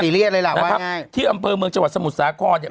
ซีเรียสเลยล่ะว่ายังไงที่อำเพิ่มเมืองจังหวัดสมุทรสาขอเนี้ย